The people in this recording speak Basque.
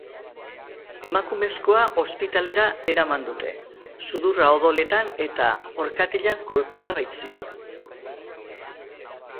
Emakumezkoa ospitalera eraman dute, sudurra odoletan eta orkatilan kolpeak baitzituen.